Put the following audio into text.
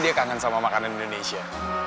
dia kangen sama makanan indonesia